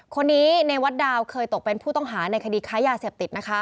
คนนี้ในวัดดาวเคยตกเป็นผู้ต้องหาในคดีค้ายาเสพติดนะคะ